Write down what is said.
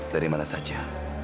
dari mana saja